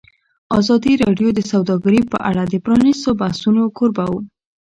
ازادي راډیو د سوداګري په اړه د پرانیستو بحثونو کوربه وه.